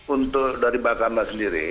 untuk dari bakamla sendiri